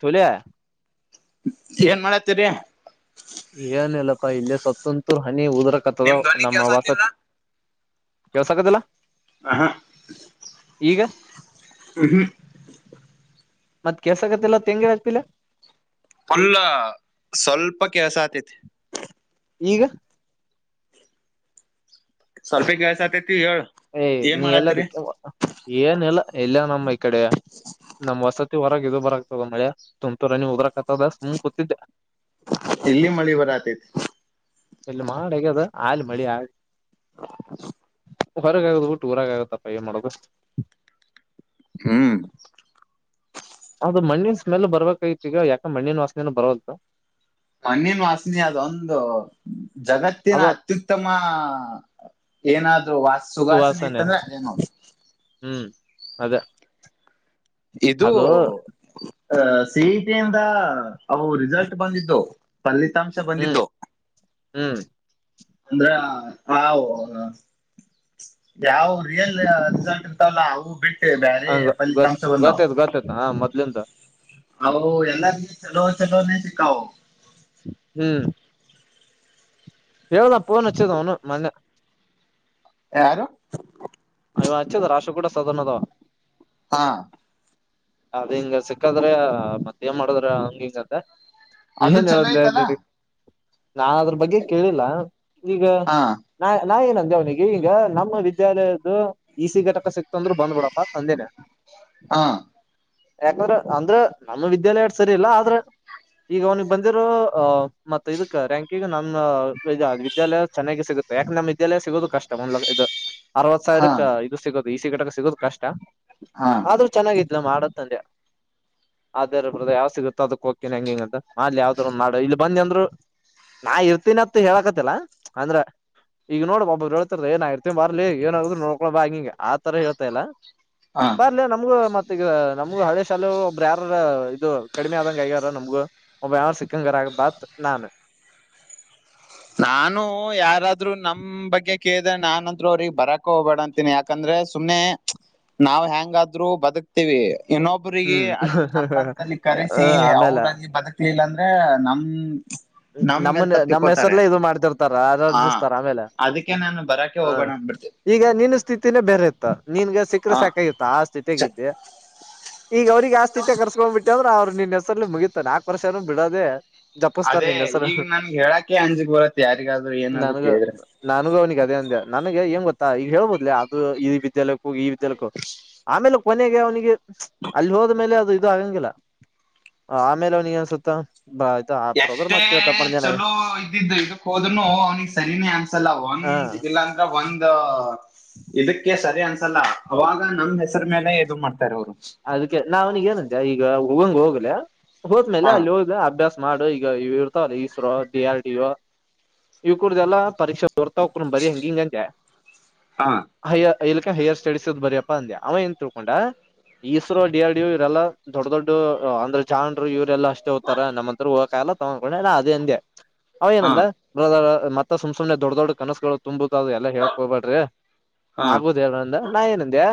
ಚಲಯ ಏನ್ ಮಾಡತೀರಿ ಹ ಇಲ್ಲ ಸತ್ತಂತೂರ್ ಹನಿ ಉದರ ಕತ್ತದ ನಿಮ್ ಧ್ವನಿ ನಮ್ಮ ಕೆಲ್ಸ ವಾಸ ಆತಿಲ್ಲ ಕೆಳ್ಸಕದಿಲ್ಲ ಹ ಈಗ ಹ್ಮ್ ಮತ್ತ್ ಕೆಸ ಆಕತ್ತಲ್ಲ ತೆಂಗಿ ಆತ್ತಿಲ್ಲ ಅಲ್ಲ ಸ್ವಲ್ಪ ಕೆಲಸ ಆತತಿ ಈಗ ಸವಲ್ಪೆಗಸ ಏಯ್ ನೀ ಎಲ್ಲದ ಏನಿಲ್ಲ ಎಲ್ಲ ನಮ್ಮ ಈ ಕಡೆ ನಮ ಹೊಸತಿ ಹೊರಗೆ ಇದು ಬರಾಗ್ತದ ಮಳೆ ತಮ್ೂರನಿ ಹದ್ರಕಕ್ತದ ಸುಮ್ ಕೂತಿದ್ದೆ ಇಲ್ಲಿ ಮಳಿ ಬರಾತತಿ ಇಲ್ಲಿ ಮಾಡಗದು ಹಲ್ ಮಳಿ ಆ [inaudible] ಹೊರಗ ಆಗದ ಟೂರಾಗ ಆಗತ್ತಪ್ಪ ಏ ಮಾಡೋದು ಹ್ಮ್ ಅದು ಮಣ್ಣಿನ ಸ್ಮೆಲ್ ಬರ್ಬೇಕೈತಿ ಈಗ ಯಾಕ ಮಣ್ಣಿನ ವಾಸನೆನು ಬರಲ್ತ್ ಮಣ್ಣಿನ ವಾಸಿನಿ ಅದೊಂದು ಜಗತ್ತಿನ ಅದ ಅತ್ಯುತ್ತಮ ಏನಾದ್ೂ ವಾಸ ಸುಗಾಸನೆ ಸುವಾಸನೆ ಇತ್ತಂದ್ರೆ ಅದೇನ ಹ್ಮ್ ಅದ ಇದು ಅ ಸಿಟಿಯಿಂದ ಅವು ರಿಸಲ್ಟ್ ಬಂದಿದ್ದು ಪಲ್ಲಿ ಫಿತಾಂಶ ಹ್ಮ್ ಬಂದಿದ್ದು ಹ್ಮ್ ಅಂದ್ರ ಹ ಯಾವ ರಿಯಲ್ ರಿಸಲ್ಟ್ ಇರ್ತಾವಲ್ಲ ಅವು ಬಿಟ್ಟ ಹ ಗ ಗತ್ತೈತ್ ಗತ್ತೇತ್ ಹಾ ಮೊದ್ಲೆಂತ ಹ ಎಲ್ಲಾರಗ ಚಲೋ ಚೆಲೋನೇ ಸಿಕ್ಕಾವ ಹ್ಮ್ ಎವದಾ ಪಣ ವಚ್ಚದ ಒಣ ಮಂದ ಯಾರು ಇವ ಹಚ್ಚದ ರಾಶ ಕೂಡ ಸದಣ ಅದಾವ ಹಾ ಅದ್ ಹಿಂಗ ಸಿಕ್ಕಾದ್ರೆ ಮತ್ತ ನ್ ಮಾಡದ್ರ ಹಂಗ ಹಿಂಗದ ಅದು ಏನ್ ಚಲೋ ಹೇಳುದ್ಲ ಐತಲ್ಲ ನೀರಿ ನಾ ಅದ್ರ ಬಗ್ಗೆ ಕೇಳಿಲ್ಲ ಈಗ ಹಾ ನಾ ನಂದೇ ಅವನಿಗೆ ಈಗ ನಮ್ಮ ವಿದ್ಯಾಲಯದ್ದು ಈ ಸಿ ಘಟಕ ಸಿಕ್ ತಂದ್ರು ಬಂದ್ಬಿಡಪ್ಪ ಅಂದೇನೆ ಹಾ ಯಾಕಂದ್ರ ಅಂದ್ರ ನಮ್ಮ ವಿದ್ಯಾಲಯ ಸರಿ ಇಲ್ಲಾ ಆದ್ರೆ ಈಗ ಅವ್ನಿಗೆ ಬಂದಿರೋ ಆಹ ಮತ್ತತ್ ಇದಕ್ ರ್ಯಾಂಕಿಂಗ್ ನಮ್ಮ ವಿದ್ಯಾಲಯ ಚೆನ್ನಾಗಿ ಸಿಗುತ್ತೆ ಯಾಕೆ ನಮ್ಮ್ದ್ಯಾಲಯ ಸಿಗೋದು ಕಷ್ಟ ಒಂದ್ ಇದು ಅರವತ್ ಹಾ ಸಾವಿರಕ್ಕೆ ಇದು ಸಿಗದು ಈ ಸಿಗಟಕ ಸಿಗದ್ ಕಷ್ಟ ಹಾ ಆದ್ರೂ ಚೆನ್ನಾಗಿದ್ಲ ಮಾಡದು ಸಂದಯ ಅದೇ ರ ಬ್ರದ ಯಾವ್ ಸಿಗುತ್ತೋ ಅದಕ್ ಹೋಗಕೇನ ಹೆಂಗಿಂಗಂತ ಅಲ್ಲಿ ಯಾವ್ದ್ ಒಂದು ಮಾಡಾ ಇಲ್ಲಿ ಬಂದಿ ಅಂದ್ರು ನಾ ಇರ್ತೀನತ್ ಹೇಳಕತಿಲ್ಲ ಅಂದ್ರ ಈಗ ನೋಡ್ ಬ ಒಬಬ್ರು ಹೇತಾರ ಏನ್ ಇರ್ತತಿನ್ ಬರ್ಲಿ ಏನ್ರ ನೋಕೊಳ ಬಾ ಹಂಗಿಂಗ ಆತರ ಹೇಳ್ತಾ ಇಾ ಹಾ ಬರ್ಲ ನಮ್ಗೂ ಮತ್ತ ಈಗ ನಮ್ಗ ಹಳೇಶಾಲ ಒಬ್ಬ್ರ ಯಾರ ಇದು ಕಡಿಮೆ ಆದಂಗ ಆಗ್ಯಾರ ನಮಗು ಒಬ್ಬ ಯಾರ ಸಿಕ್ಕಂಗರಗ ಬಾತ್ ನಾನು ನಾನು ಯಾರಾದ್ರೂ ನಮ್ ಬಗ್ಗೆ ನಾನನ್ಂತ್ರೂ ಅವ್ರಿಗೆ ಬರಕ ಹೋಗಬೇಡ ಅಂತೀನಿ ಯಾಕಂದ್ರೆ ಸುಮ್ಮನೆ ನಾವವು್ ಹೆಂಗಾದ್ರೂ ಬದುಕ್ತೀವಿ ಇನ್ನೊಬ್ಬಿಗೆ ಹ್ಮ್ ಅಲ್ಲಿ ನಮಂತಲ್ಲಿ ಕರೆಸಿ ಆಮೇಲೆ ಅವರಲ್ಲಿ ಬದುಕ್ಲಿಲ್ಲ ಅಂದ ಅ ನಮ್ಮ ನಮ್ಮ ನಮ್ಮ್ ಹೆಸರ್ಲ್ಲೇ ಇದು ಮಾಡ್ತಿರ್ತಾರ ಆರ್ಜಿಸ್ತಾರ ಆಮೇಲೆ ಹರಾೆ ಹ ಹೋಗೋಣ ಬ ಈಗ ನಿನ್ ಸ್ಥಿತಿನೇ ಬೇರೆ ಇತ್ತ ನಿನ್ಗ ಸಿಕ್ಕರೆ ಹಾ ಸಾಕಾಗಿತ್ತ ಆ ಸ್ಥಿತಿಗ್ದೆ ಈಗ ಅವ್ರಿಗೆ ಆಸ್ತಿ ಕರ್ಸ್ಕೊಂಡ್ಬ ಬಿಟ್ಟೆ ಅಂದ್ರ ಅವ್ರ ನಿನ್ ಹೆಸರಲ್ಲಿ ಮುಗಿತತ ನಾಕಕ್ ವರ್ಷನು ಬಿಡದೆೇ ಸರ್ ಅದೇ ನಿ ಹೆ ಸರ್ ಈಗ ನನ್ಗೆ ಹೇಳಕ್ಕೆ ಅಂಜಿಕ್ ಬರತ್ತೆ ಯಾರಿಗಾದ್ರೂ ಏನಾದ್ರು ನಾನಗ ಕೇಳಿದ್ರೆ ನಾನಗನಗೆ ಅದೇ ಅಂದ ನನಗೆ ಏಂಗ ಗೊತ್ತಾ ಈಗ ಹೇಳ್ಬೋದಿಲ್ಲ ಅದು ಈ ವಿದ್ಯಾಲಯಕ್ಕೂ ಈ ವಿದ್ಯಾಲಕ್ಕೂ ಆಮೇಲೆ ಕೊನೆಗೆ ಅವನಿಗೆ ಅಲ್ಲಿ ಹೋದ್ಮೇಲೆ ಅದು ಇದು ಆಗಂಗಿಲ್ಲ ಆಮೇಲೆ ಅವನಿಗೆ ಸುತ್ತ ಬ ಆಯ್ತಾ ಆ ಬ್ರದರ್ ಎಷ್ಟೇ ಮಾತ್ ಕೇಳ್ತಪ್ಪ ಅಂದೆ ನಾ ಚಲೋ ಇದ್ದಿದ್ದು ಇದಕ್ ಹೋದ್ನು ಅವ್ನಿಿಗೆ ಸರಿನೇ ಅಂತ ಸಲ್ಲ ಹ ಒಂದ್ ಇಲ್ಲಾ ಅಂದ್ರೆ ಒಂದ ಇದಕ್ಕೆ ಸರಿ ಅನ್ ಅಲ್ಲ ಅವಾಗ ನಮ್ ಹೆಸರ ಮೇಲೆ ಎದು ಮಾಡ್ತಾರೆ ಅವ್ರು ಅದಕ್ಕೆ ನಾವ್ನಿಗೆ ಏನಂತೆ ಈಗ ಹೋಗಂಗ್ ಹೋಗ್ಲ ಹೋದ್ಮೇಲೆ ಹಾ ಅಲ್ಲಿ ಹೋಗ ಅಭ್ಯಾಸ ಮಾಡು ಈ ಈಗ ಇ ಇರ್ತಾವಲ್ಲ ಇಸ್ರೋ ಡಿ ಆರ್ ಡಿ ಯ ಇವ ಕುೂಡ್ದಲ್ಲಾ ಪರೀಕ್ಷೆ ಬರ್ತಾವಕ ಬರರಿ ಹಂಗ ಹಿಂಗ ಅಂತೆ ಹಾ ಇಲ್ಲಿಕ್ಕ ಹೇರ್ ಸ್ಟಡೀಸ್ ಇದದ್ ಬರಯಪ್ಪಾ ಅಂದ್ಯೆ ಅವ ಏನ್ ತಿಳ್ಕೊಂಡ ಇಸ್ರೋ ಡಿ ಆರ್ ಇವರೆಲ್ಲ ದೊಡ್ಡ ದೊಡ್ ಅಂದ್ರ ಚನ್ರು ಇವರೆಲ್ಲ ಅಷ್ಟೇ ಹೋಗ್ತಾರ ನಮ್ಮ ಹತ್ರ ಹೋಗ ಲ್ಲ ತಗೊಂಡ್ಕೊಂಡಾ ಅದೇ ಅಂದೆ ಅವ ಹಾ ಏನಂದ ಮತ್ತ ಸುಮ್ ಸುಮೇನ್ ದೊಡ್ಡ ದೊಡ್ ಕನಸುಗಳು ತುಂಬ ಹದು ಎಲ್ಲಾ ಹೇಕ್ ಹೋಗಬೇಡ್ರಿ ಹಾ ಆಗುದ ಹೇಳಂದ ನಾ ಏನಂದ್ಯಾ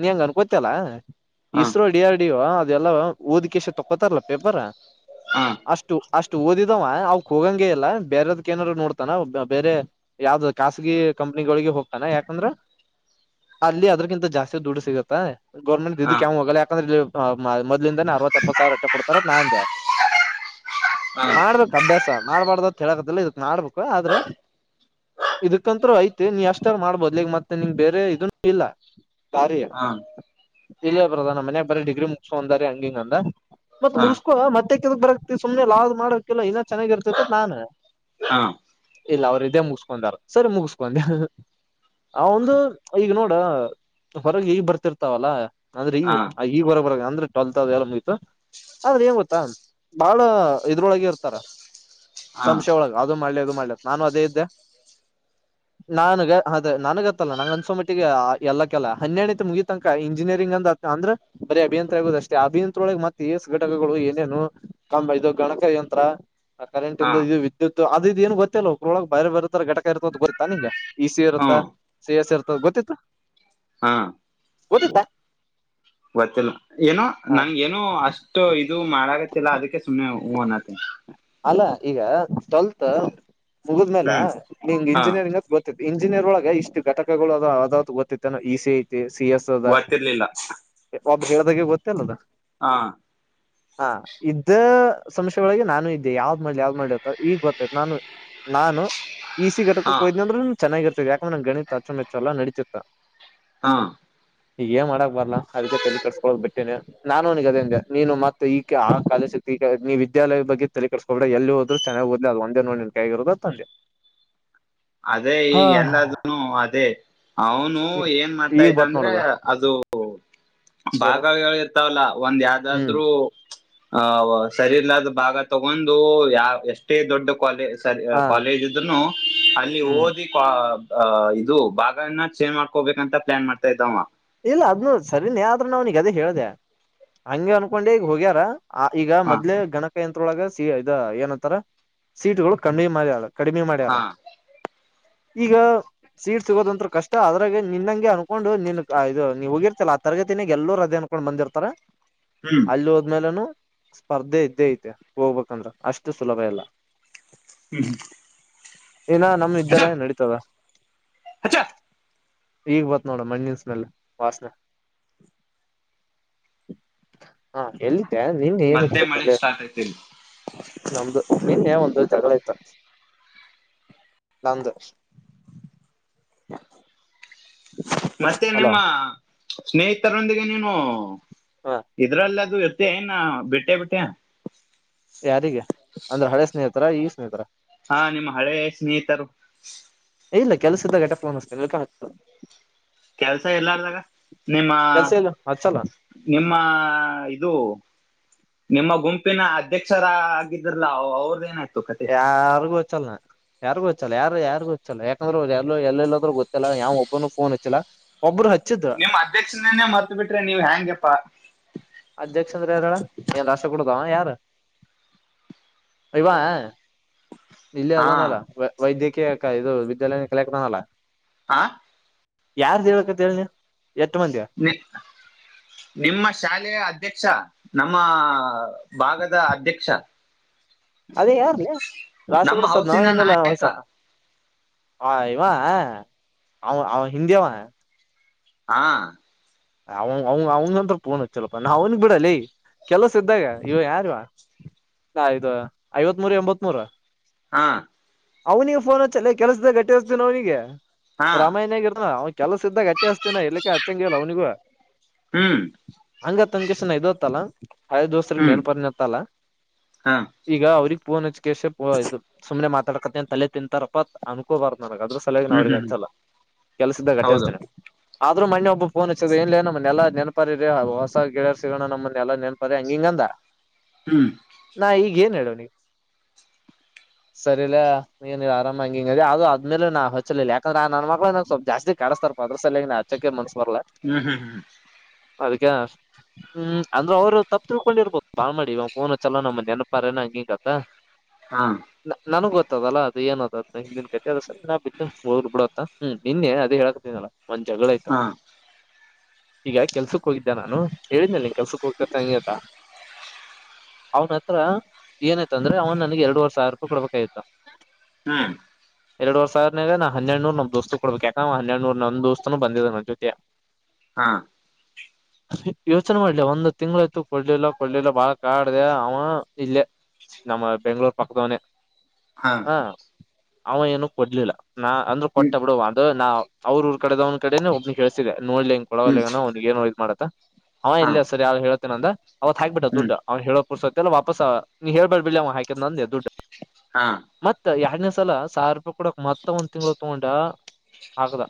ನೀ ಹೆಂಗ ಅನ್ಕೊತ್ತಲ್ಲ ಇಸ್ರೋ ಡಿ ಆರ್ ಡಿ ಲ್ಲ ಓದಿಕ ತೋತಾರಲ್ಲ ಪೇಪರ್ ಹಾ ಅಷ್ಟ ಅ ಓದಿದವ ಅವಕ್ ಹೋಗಂಗಗೆ ಇಲ್ಲ ಬೇರೆದಕ ಏನಾರರು ನೋಡ್ತಾನ ಬೇರೆ ಯಾವ್ದ ಖಾಸಗಿ ಕಂ ಹೋಗ್ತಾನ ಯಾಕಂದ್ರ ಅಲ್ಲಿ ಅದಿಂತ ಜಾಸ್ತಿ ದುಡ್ಡು ಸಿಗುತ್ತ ಗರ್ಮೆಂಟ್ ಹಾ ಕೆ್ ಹೋಗಲ್ಲ ಯಾಕಂದ್ರೆ ಮೊದ್ಲಿಂದಾನ ಅರವತ್ತತ್ಪ್ಪತ್ತು ಸಾವಿರ ರೊಟ್ಟ ಕೊಡ್ತಾರ ನಾನ್ ಹಾ ಹಾ ಮಾಡ್ಬೇಕು ಅಭ್ಯಾಸ ಮಾಡ್ಬಾರ್ದ ಅಂತ ಹೇಳಕದಲ್ಲ ಇದತ್ ಮಾಡ್ಬೇಕು ಆದ್ರೆ ಇದಕಂತರು ಐತಿ ನೀ ಅಷ್ಟಾರ ಮಾಡ್ಬೋದ್ಲಿ ಈಗ್ ಮತ್ತೆ ನಿನ್ಂಗ ಬೇರೆ ಇದನ್ನ ಇಲ್ಲ ಸಾರಿ ಹಾ ಇಲ್ಲ ಬದಾನ ಮನ್ಯಾಗ ಬರೀ ಡಿಗ್ರಿ ಮುಗಸಂದಾರಿ ಹಂಗಿಂಗ ಅಂದ ಮತ್ತತ್ ಹಾ ಮುಗಸ್ಕುವ ಮತ್ತೆ ಕೆದ ಬರಕ್ತಿ ಸುಮನೆ ಲಾ ಆದ್ ಮಾಡಕೆಲ್ಲಾ ಇನ ಚೆನ್ನಾಗಿರ್ತತೆ ನಾನು ಹಾ ಇಲ್ಲ ಅವರು ಇದೇ ಮುಗಿಸಕೊಂಡಾರ ಸರಿ ಮುಗಸ್ಕೊಂಡೆ ಆ ಒಂದು ಈಗ ನೋ ಹೊರಗೆ ಈ ಬರ್ತಿರ್ತಾವಲ್ಲ ಅ್ರೆ ಈ ಹಾ ಈ ಹೊರ ಟ್ಲ್ತ್ ಮುಗತ ಆದ್ರೆ ಂಗ ಗೊತ್ತಾ ಬಹಳ ಇದ್ರೊಳಗ ಇರ್ತಾರ ಸಂಶಯ ಒಳಗೆ ಅದು ಮಾಡ್ಲಿ ಅದು ಮಾಡ್ಲಿ ನಾನು ಅದೇ ಇದ್ದೆ ನಾನುಗ ಅದೆ ನಾನು ಗತ್ತಲ್ಲ ನಂಗ ಅನ್ಸೊ ಮಿಟ್ಟಿಗೆ ಎಲ್ಲ ಕೆಲ್ಲ ಹನ್ನೆಣತಿ ಮುಗಿ ತನಕ ಇಂಜಿನಿಯರಿಂಗ್ ಅಂತ ಅಂದ್ರೆ ಬರೀ ಅಭಿಯಂರ ಆಗುದ ಅಷ್ಟೇ ಅಭಿಯಂರೊಳಗೆ ಮತ್ತೆ ಎಷ್ಟ ಘಟಕಗಳು ಏನೇನು ಕ ಗಣಕ ಕಂತ್ರ ಆ ಕರೆಂಟ ಇ ಹಾ ಇದು ವಿದ್ಯುತ್ ಅದು ಇದ ಏನ್ ಗೊತ್ತಿಲ್ಲಲ್ಲ್ರೊಳಗ್ ಬರ್ತರ ಟಕ ಇರ್ತ ಅಂತ ಗೊತ್ತಾ ನಿಂಗ ಈಝಿ ಹಾ ಇರುತ್ತ ಸೇಯಸ್ ಇರ್ತ್ತ ಗೊತ್ತಿತ್ತ ಹಾ ಗೋತ್ತಿತ್ತ ಗೊತ್ತಿಲ್ಲ ಏನೋ ನನ್ ಏನೋ ಅಷ್ಟು ಇದು ಮಾಡಾಗತ್ತಿಲ್ಲ ಅದಕ್ಕೆ ಸುಮಮ್ಮನೆ ಹೂನ್ತ ಅಲ್ಲ ಈಗ ಟ್ವೆಲ್ತ್ ಮುಗಿದ್ಮೇಲೆ ಹ್ಮ್ ನಿಂಗ ಹಾ ಇಂಜಿನಿಯರಿಂಗ್ತ್ ಗೊತ್ತತ್ತು ಇಂಜಿನಿಯರ್ ಒಳಗ ಇಷ್ಟು ಘಟಕಗಳು ಅ್ದ ಗೊತ್ತತೆ ನ ಇ ಸಿ ಐತಿ ಸಿ ಎಸ್ ಅದ ಗೊತ್ತಿರ್ಲಿಲ್ಲ ಅಬ ಶಗ ಕೊತಲ್ಲ ಹಾ ಹಾ ಇದ್ದ ಸಮಸ್ಯೆೊಳಗೆ ನಾನು ಇದ್ದೆ ಯಾವ್ದ್ ಮಾಡಲಿ ಯಾವ್ದ್ ಮಾಡ್ಲಿ ಈಗ್ ಗೊತ್ತೈ ನಾನು ನಾನು ಈಸ ಘಟಕ ಹಾ ಹೋದ್ ಅಂದ್ರೆ ನ ಚೆನ್ನಾಗಿರ್ತತಿ ಯಾಕಂದ ನ ಗಣಿ ಅುೆಚ್ಚ ಎಲ್ಲ ನಡತಿತೆ ಹಾ ಈಗ ಮಾಡ ಬರ್ಲ್ಲಾ ಅದಕ್ಕೆ ತಲಿ ಕಟ್ಸ್ಕೋ್ ಬಿಟ್ಟೇನೆ ನಾನುನಿಗೆ ಅದೇಂದೆ ನೀನು ಮತ್ತ ಈ ಆ ಕಾಲ ಈಗ ನೀಿದ ವಿದ್ಯಾಲಯ ಬಗ್ಗೆ ತಲಿ ಕಟ್ಟಿಸಕಬ ಬಿ್ರೆ ಎಲ್ಲಿೋದರು ಚೆನ್ನಾಗಿ ದಲಿ ಅ ಒಂದ ನೋಡಿನ ಕೈಗಿರೋದು ತಂದೆ ಅದೇ ಈಗ ಎಲ್ಲದನು ಅದೇ ಅವನು ಏನ್ ಮಾಡ್ತಾ ಈಗ ಇದ್ದ ಬತ್ ಅಂದ್ರೆ ನೋಡದ ಅದು ಏನು ಬಾಗಾವಗಳು ಇರ್ತಾವಲ್ಲ ಒಂದ್ ಹ್ಮ್ ಯ್ದಾದ್ರೂ ಆ ರ ಎಲ್ಲಾದು ಭಾಗ ತಗೊಂಡು ಯಾವ ಎಷ್ಟೇ ದೊಡ್ಡ ಕಾಲೇಜ ಸರಿ ಹಾ ಕಾಲೇಜ್ ಇದ ಇದನು ಅಲ್ಲಿ ಹ್ಮ್ ಓದಿ ಅ ಇದು ಭಾಗನ ಚೇಂಜ್ ಮಾಡ್ಕೋಬೇಕಂತ ಪ್ಲಾನ್ ಮಾಡ್ತಾ ಇದ್ದವ ಇಲ್ಲ ಅದ್ನು ಸರಿನೇ ಆದ್ರ ನಾವ್ನಗ ಅದೇ ಹೇಳ್ದ ಹಂ ಅನ್ಕೊಂಡೆ ಈಗ ಹೋಗ್ಯಾರ ಆ ಈಗ ಹಾ ಮದ್ಲೆೇ ಗಣಕ ಯಂತ್ರೊಳಗ ಸ ಇದ ಏನಂತಾರ ಸೀಟ್ಗಳು ಕಡಿಿ ಮಾರಿ ಆಳಕ್ ಕಡಿಮೆ ಮಾಡ್ಯಾರ ಹಾ ಈಗ ಸೀಟ್ ಸಿಗೋದಂಂತ ಕಷ್ಟ ಅದ್ರಾಗ ನಿನ್ಂಗೆ ಅನ್ಕೊಂಡು ನಿನ್ ಇದು ನೀವ್ ಹೋಗಿರ್ತತಿಲ್ಲ ಆ ತರಗತಿನಾಗ ಎಲ್ಲೂ ರಜೆ ಅನ್ಕೊಂಡ್ ಬಂದಿರ್ತಾರ ಹ್ಮ್ ಅಲ್ಲಿ ಹೋದ್ಮೇಲೆನು ಸ್ಪರ್ಧೆ ಇದ್ದೇ ಐತೆ ಹೋಗ್ಬೇಕಂದ್ರ ಅಷ್ಟು ಸುಲಭ ಇಲ್ಲ ಹ್ಮ್ ಹ್ಮ ಏನ ನಮ ಇದ್ದಲ್ಲಏನ್ ನಡೀತದ ಅಚ್ಚಾ ಈಗ ಬತ್ ನೋಡ ಮಣ್ಣಿನ ವಾಸನ ಹ ಎಲ್ಲಿ ನಿನ್ಗೆ ಏನಕ್ಕೆ ಮತ್ತೆ ಮಳೆ ಗತ್ತ ಸ್ಟಾರ್ಟ್ ಆಯ್ತು ಇಲ್ಲಿ ನಮ್ದು ನಿನ್ ಒಂದು ನಂದ್ ಮತ್ತೆ ಹಲೋ ನಿಮ್ಮ ಸ್ನೇಹಿತರೊಂದಿಗೆ ನೀನು ಹಾ ಇದ್ರಲ್ಲಿ ಅದು ಏನ್ನ ಬಿಟ್ಟೆ ಬಿಟ್ಟೆ ಯಾರಿಗೆ ಅಂದ್ರೆ ಹಳೆ ಸ್ನೇಹಿತರ ಈ ಸ್ನೇಹಿತರ ಹಾ ನಿಮ್ಮ ಹಳೇ ಸ್ನೇಹಿತರು ಇಲ್ಲ ಕೆಲ್ಸ ಇದ್ದಾಗಟ ಫೋನ್ ಹತ ಕೆಲ್ಸ ಎಲ್ಲಾರ್ದಾಗ ನಿಮ್ಮ ಕೆಲ್ಸ ಇಲ್ಲ ಹಚ್ಚಲ್ಲ ನಿಮ್ಮ ಇದು ನಿಮ್ಮ ಗುಂಪಿನ ಅಧ್ಯಕ್ಷರ ಆಗಿದ್ರಲ ಅವ್ರದಏನಾಯ್ತ ಯಾರ್ಗು ಗತ್ತ ಚ್ಚಲ್ಲ ಯಾರಿಗು ಹಚ್ಚಲ್ಲ ಯಾರು ಯಾರಿಗು ಹಚ್ಚಲ್ಲ ಯಾಕಂದ್ರ ಎಲ್ಲ ಎಲ್ಲೆಲ್ಲದ್ೂ ಗೊತ್ತಿಲ್ಲ ಯಾವ ಒಬ್ಬನು ಫೋನ್ ಇಚ್ಚಿಲ್ಲಾ ನಿಮ್ಮ್ ಅಧ್ಯಕ್ಷನೇನೆೇ ಮತ್ ಬಿಟ್ರೆ ನೀವ್ ಹೆ್ಯಾಂಗಗೆಪ್ಪಾ ಅಧ್ಯಕ್ಷ ಅಂದ್ರ ಯಾರಳ ಏನ್ ರಾಶ ಕೊಡದ ಯಾರ ಯವಾ ಇಲ್ಲಿ ಹಾ ಅದನಲ್ಲ ವೈದ್ಯಕೀಯ ಇದು ವಿದ್ಯಾಲಯ ಕಲಕ್ನಲ್ಲ ಆಾ ಯಾರ್ದ ಹೇಳಳ್ಕತ್ ಹೇಳನಿ ನಿ ನಿಮ್ಮ ಶಾಲೆಯ ಅಧ್ಯಕ್ಷ ನಮ್ಮ ಭಾಗದ ಅಧ್ಯಕ್ಷ ಅದೇ ಯಾರ ರಾಶ ನಮ್ಮ ಕೊಡಸದ್ ನಾವ ಹೌಸಿನ ಏನೆಲ್ಲ ನಾಯಕ ಹೊಯ್ಸ ಹ ಇವಾ ಅವ ಅವ ಹಿಂದಿಯವಾ ಹಾ ಅವ ಅವ ಅವಂಗಂತ್ರ ಪೋನ್ ಚಲಪ ನಾ ಅವನಿಗೆ ಬಿಡಲಿ ಕೆಲಸ ಇದ್ದಾಗ ಇವ ಯಾರಿವ ಇದು ಐವತ್ ಮೂೂರು ಎಂಬತ್ ಮೂೂರು ಹಾ ಅವ್ನಿಗೆ ಫೋನ್ ಹಚ್ಚಲ್ಲ ಕೆಲ್ಸ್ದ ಗಟ್ಟಿ್ತನ ಅವನಿಗೆ ಹಾ ರಾಮಾಯಣ ಆಗಿರ್ನ ಕೆಲಸ ಇದ್ದಾಗಟ್ಟ ಹಾತಿನ ಇಲ್ಲಿಕ್ಕೆ ಅಚ್ಚಂಗಗೆಲ್ಲ ಅವನಿೂ ಹ್ಮ್ ಹಂಗ ತಂಗಸ ನ ಇದತ್ತಲ್ಲ ಹ ದೋಸ್ತ್ರಗ್ ಹ್ಮ್ ನೆನ್ಪರ್ನತ್ತಲ್ಲ ಹಾ ಈಗ ಅವ್ರಗ್ ಪೂನ್ ಕೇಶ ಇದು ಸುಮನೆ ಮಾತಾಡ್ಕತ ತಲೆ ತಿಂತಾರಪ್ಪ ಅನ್ಕೋಬಾರ ಮಾಡಕ್ ಅದ್ರ ಸಲಹಾಗಿ ನಾ ಹ್ಮ್ ಅವ್ರಿಗೆ ಹ್ಮ್ ಹ್ಮ್ ಹಚ್ಚಲ್ಲ ಕೆಲ್ಸದ್ದ ಹೌದು ಕಟ್ಟಿಿಸ್ತೇನೆ ಆದ್ರೂ ಮೆ ಒಬ್ಬ ಫೋನ್ ನ್ ನಮ್ಮನೆೆಲ್ಲ ನೆನಪಾರಿ ರ ಹೊಸ ಗಿಡರ್ ಸಿಗಣ ನಮ್ಮನ್ನೆಲ್ಲಾ ನೆನ್ಪಾರಿ ಹಂಗ ಹಿಂಗಂದ ಹ್ಮ್ ಏನ್ ಹೇಳ ಅವನಿಗೆ ಸರಿ ಇಲ್ಲ ನೀ ನೀ ಆರಾಮಂಗಿಂಗ ಅದು ಅದ್ಮೇಲೆ ನಾ ಹಚ್ಚಲಿಲ್ಲ ಯಾಕಂದ್ರ ಆ ನನ್ ಮಕ್ಳ ನ ಸ್ಲ್ಪ್ ಜಾಸ್ತಿ ಕಳಸತ ಸರ್ಪದ್ರ ಸಲನ್ ಆಚೆನ್ಸ್ ಬರ್ಲ್ಲ ಹ್ಮ್ ಹ್ಮ್ ಹ್ಮ್ ಅದ್ಕ ಹ್ಮ್ ಅಂದ್ರೆ ಅವ್ರು ತಪ್ಪ ತಿಳ್ಕೊಂಡಿರ್ಬೋದು ಬಾ ಮಾಡಿ್ ಫೋನ ಚಲೋ ನಮ್ಮ ನೆನಪಾರಏನ ಹ್ಮ್ ನ ಗೊ ಇತ್ತದಲ್ಲ ಅದು ಏನದ ಹಿನ ಕ ಅದ ನಾ ಬಿ ಹೋಗ್ ಬಿಡತ್ತ ಹ್ಮ್ ನಿನ್ನೆ ಅದು ಹೇಳಾಕತನಲ್ಲ ಒಂದ್ ಜಗಳ ಆಯ್ತ ಹಾ ಹಾ ಈಗ ಕೆಲ್ಸಕ್ ಹೋಗಿದ್ದೆ ನಾನು ಹೇಳಿದನ ನೀ ಕೆಲ್ಸಕ್ ಹೋಗ್ತ ಸಂಂಗಯತ ಅವನ ಹತ್ರ ಏನಾಯ್ತ ಅಂದ್ರೆ ಅವನ್ ನನ್ಗೆ ಎರಡುವರೆ ಸಾವಿರ ರೂಪಾಯಿ ಕೊಡ್ಬೇಕಾಯತ ಹ್ಮ್ ಎರಡು ವರ್ಷ ಆದದನ ನಾ ಹೆಡ್ನೂ ನಮ ದೋಸ್ತ್ ಕೊಡ್ಬೇಕಾ ನ ಹನ್ನೆಡ್ನೂ ನಂದ ದೋಸ್ತನು ಬಂದಿದ್ ನನ್ನ ಜೊತೆ ಹಾ ಹ ಯೋಚನೆ ಮಾಡ್ಲ ಒಂದ್ ತಿಂಗ್ಳಯ್ತು ಕೊಡ್ಲಿಲ್ಲ ಕೊಡ್ಲಿಲ್ಲ ಬಾಳ ಕಾಡ್ದ ಅವ ಇಲ್ಲ ನಮ್ಮ ಬೆಂಗ್ಗಳೂರ್ ಪಕ್ಕದವನೆ ಹಾ ಹ ಅವ ಏನ ಕೊಡ್ಲಿಲ್ಲ ನಾ ಅಂದ್ರರು ಹ್ಮ್ ಕೊಟ್ಟ ಬಿಡು ಅದು ನಾ ಅವ್ರ ್ರ ಕಡೆದ ಅವ್ ಕೇನೆ ಒಬ್ನಿಗೆ ಕಳ್ಸಿದೆ ನೋಡ್ಲಿ ಹಂಗ ಕೊಡವ ಹ್ಮ್ ಅವ್ಗ ನೋ ಇದ್ ಮಾಡ ಅವ ಹಾ ಇಲ್ಲ ಸರಿ ಯಾರ್ ಹೇಳತೇನ ಅಂದ ಅವತ್ ಹಾಕ್ಬಿಟ್ಟ ಹ್ಮ್ ದುಡ್ ಅವ್ನು ಹೇಳೋ ಪುರ್ಸ ಎಾಪಸ್ ನೀ ಹೇಳ್ೇಬ ಬಿಿಲ್ಲ ಹಕ ನಂದು ಎ ದುಡ್ಡು ಹಾ ಮತ್ತತ್ ಎರನೇ ಸಲ ಸಾವಿರ ರೂಪಾಯಿ ಕೊಡಕ್ ಮತ್ತ ಒಂದ್ ತಿಂಗಳ ತಗೊಂಡ ಆಕ್ದ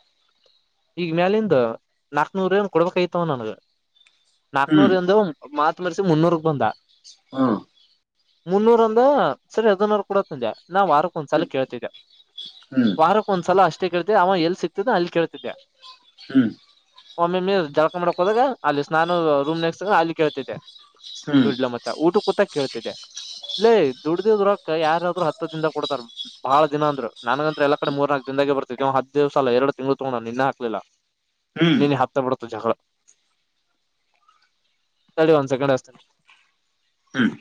ಈಗ ಮ್ಯಾಲಿಂದ ನಾಕ್ನೂರುನ್ ಕೊಡ್ಬೇಕಐತವ ನನ್ಗ ಹ್ಮ್ ನಾಕ್ನೂರ್ಂದ ಮಾತ್ು ಮರೆಸಿ ಮುನ್ನೂರುಕ್ ಬಂದ ಹಾ ಮುನ್ನೂರ ಅಂದ ಸರಿ ಹದನೂರು ಕೂಡ ತಜೆ ನಾ ವಾರಕ್ಕೊಂದ್ಸಲ ಕೇಳ್ತಿದ್ದೆ ಹ್ಮ್ ಹ್ಮ್ ವಾರಕ್ಕ ಒಂದ್ಸಲ ಅಷ್ಟ ಷ್ಟ ಕೇಳ್ತೆ ಅವ ಎಲ್ಲಿ ಸಿಕ್ತಿದ್ದ ಅಲ್ಲಿ ಕೇಳ್ತಿದ್ದೆ ಹ್ಮ್ ಒಮ್ಮೆ ಮೀರ್ ಜಳಕ ಮಾಡಕ್ ಹೋದಾಗ ಅಲ್ಲಿ ಸ್ನಾನ ರೂಮ್ ನೆಕ್ಸ್ಟ್ ಅಲ್ಲಿ ಕೇಳ್ತಿದ್ದೆ ಹ್ಮ್ ದುಡ್ಲ ಮಚ್ಚ ಊಟ ಕೂತಾ ಕೇಳ್ತಿದ್ದೆ ಇಲ್ಲೇ ದುಡ್ದಕ ಯಾರ ಹತ್ತು ದಿಂದ ಕೊಡ್ತಾರೆ ಬಹಳ ದಿನ ಅಂದ್ರ ನನಗಂತತ್ರ ಎಲ್ಲ ಕಡೆ ಮೂರ್ನಾಲ್ಕ ದಿನಾಗ ಬರ್ತತಿ ಹತ್ತು ದಿವಸ ಎರಡು ತಿಂಗಳು ತಗೊಂಡು ನಿನ್ನ ಹಾಕ್ಲಿಲ್ಲ ಹ್ಮ್ ನೀನ್ ಹತ್ತ ಬಿಡತು ಜಗಳ ಸರಿ ಒಂದು ಸಕಂಡ್್ತನೆ ಹ್ಮ್